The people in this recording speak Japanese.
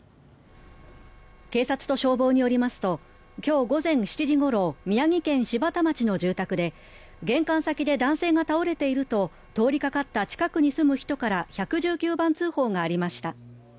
警察と消防によりますと今日午前７時ごろ宮城県柴田町の住宅で玄関先で男性が倒れていると通りかかった近くに住む人から１１９番通報がありました。